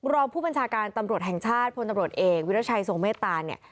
รองผู้บัญชาการตำรวจแห่งชาติพลตำรวจเอกวิรัชัยทรงเมตตาเนี่ย